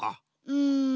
うん。